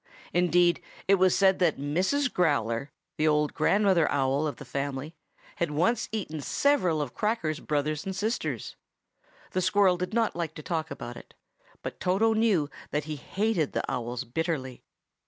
Indeed, it was said that Mrs. Growler, the old grandmother owl of the family, had once eaten several of Cracker's brothers and sisters. The squirrel did not like to talk about it, but Toto knew that he hated the owls bitterly.